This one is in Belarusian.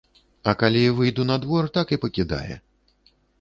А калі выйду на двор, так і пакідае.